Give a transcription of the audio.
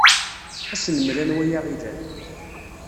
Ad asen-nmel anwa ay aɣ-ilan.